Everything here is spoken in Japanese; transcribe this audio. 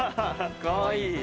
かわいい。